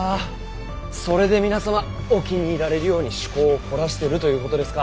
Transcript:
それで皆様お気に入られるように趣向を凝らしてるということですか。